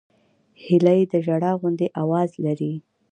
هیلۍ د ژړا غوندې آواز لري